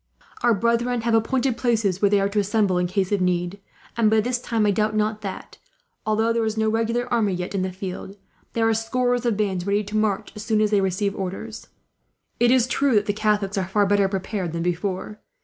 Our brethren have appointed places where they are to assemble, in case of need; and by this time I doubt not that, although there is no regular army yet in the field, there are scores of bands ready to march, as soon as they receive orders. "It is true that the Catholics are far better prepared than before.